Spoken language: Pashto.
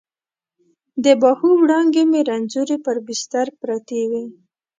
د باهو وړانګې مې رنځورې پر بستر پرتې وي